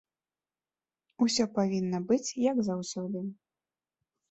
Усё павінна быць, як заўсёды.